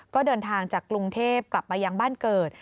ก็เดินทางจากกรุงเทพกลับมายังบ้านเกิด